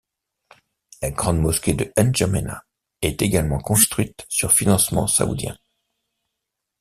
La grande mosquée de N’Djamena est également construite sur financement saoudien.